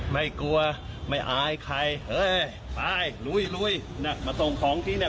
ไม่กลัวไม่อายใครเอ้ยอายลุยลุยน่ะมาส่งของที่เนี่ย